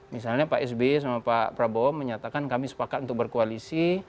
misalnya pak sby sama pak prabowo menyatakan kami sepakat untuk berkoalisi